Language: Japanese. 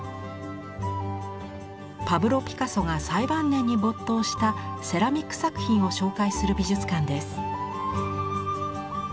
パブロ・ピカソが最晩年に没頭したセラミック作品を紹介する美術館です。